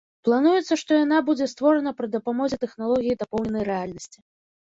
Плануецца, што яна будзе створана пры дапамозе тэхналогіі дапоўненай рэальнасці.